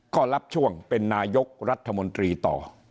ก็รับช่วงเป็นนายกรัฐมนตรีต่อ